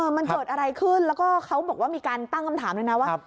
มันเกิดอะไรขึ้นแล้วก็เขาบอกว่ามีการตั้งคำถามเลยนะว่า